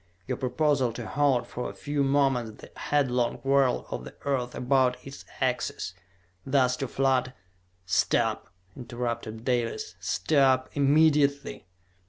Your proposal to halt for a few moments the headlong whirl of the earth about its axis, thus to flood " "Stop!" interrupted Dalis. "Stop! Immediately!"